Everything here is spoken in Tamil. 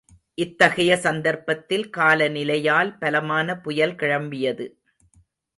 இத்தகைய சந்தர்ப்பத்தில் கால நிலையால் பலமான புயல் கிளம்பியது.